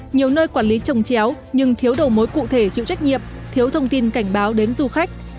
nhiều nơi quản lý trồng chéo nhưng thiếu đầu mối cụ thể chịu trách nhiệm thiếu thông tin cảnh báo đến du khách